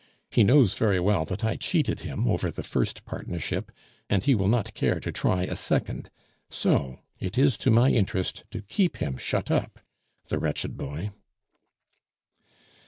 He knows very well that I cheated him over the first partnership, and he will not care to try a second; so it is to my interest to keep him shut up, the wretched boy."